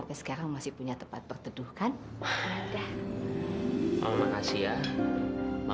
ma kuenya sita dipotong dua lagi aja mak